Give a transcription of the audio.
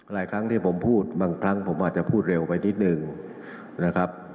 หลายครั้งที่ผมพูดบางครั้งผมอาจจะพูดเร็วไปนิดนึงนะครับ